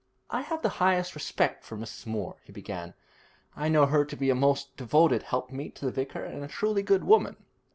'I have the highest respect for Mrs. Moore,' he began. 'I know her to be a most devoted helpmeet to the vicar, and a truly good woman.